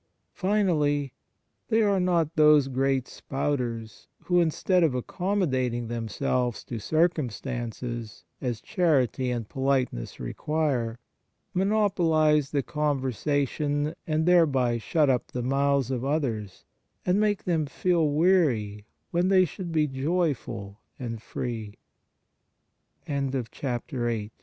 Finally, they are not those great spouters who, instead of accommodating themselves to circumstances as charity and politeness require, monopolize the conversa tion, and thereby shut up the mouths of others and make them feel weary when they should be joyful and f